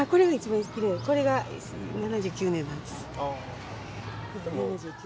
これが７９年なんです。